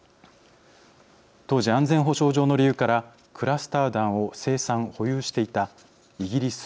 当時安全保障上の理由からクラスター弾を生産保有していたイギリス